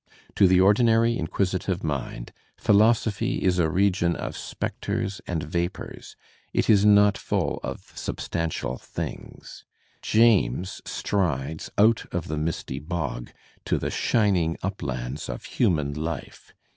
To the ordinary inquisitive mind philosophy is a region of spectres and vapours; it is not full of substantial things. James strides out of the misty bog to the shining uplands of human life.